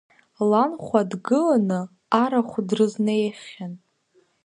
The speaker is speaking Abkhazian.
Ланхәа дгыланы арахә дрызнеихьан.